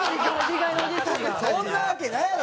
そんなわけないやろ！